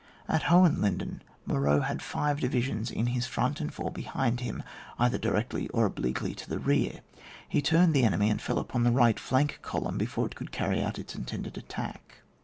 At Hohenlinden, Moreau had five di visions in his front and four behind him, either directly or obliquely to the rear ; he turned the enemy, and fell upon the right fiank column before it could carry out its intended attack.